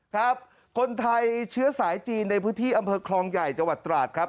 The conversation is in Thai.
ครับคนไทยเชื้อสายจีนในพื้นที่อำเภอคลองใหญ่จังหวัดตราดครับ